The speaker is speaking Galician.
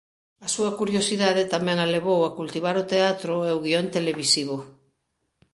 A súa curiosidade tamén a levou a cultivar o teatro e o guión televisivo.